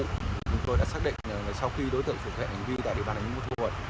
chúng tôi đã xác định là sau khi đối tượng xuất hiện hành vi tại địa bàn tp bun ma thuột